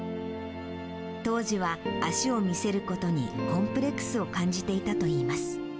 当時は足を見せることにコンプレックスを感じていたといいます。